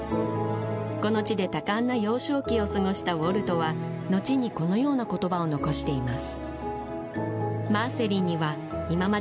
この地で多感な幼少期を過ごしたウォルトは後にこのような言葉を残しています